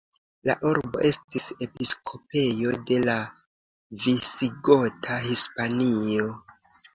La urbo estis episkopejo de la Visigota Hispanio.